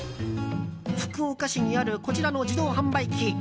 福岡市にあるこちらの自動販売機。